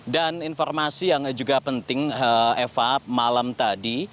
dan informasi yang juga penting eva malam tadi